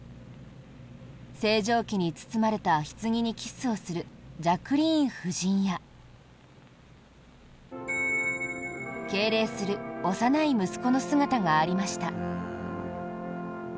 星条旗に包まれたひつぎにキスをするジャクリーン夫人や敬礼する幼い息子の姿がありました。